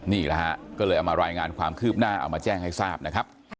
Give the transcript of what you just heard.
นี่แหละฮะก็เลยเอามารายงานความคืบหน้าเอามาแจ้งให้ทราบนะครับ